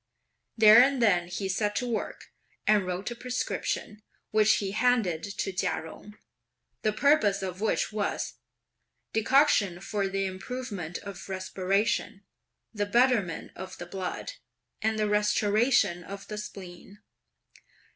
There and then he set to work and wrote a prescription, which he handed to Chia Jung, the purpose of which was: Decoction for the improvement of respiration, the betterment of the blood, and the restoration of the spleen.